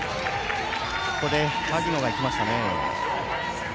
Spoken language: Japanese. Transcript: ここで萩野がいきましたね。